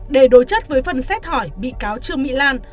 để đối chất với phần xét hỏi bị cáo trương mỹ lan